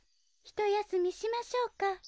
・ひとやすみしましょうか。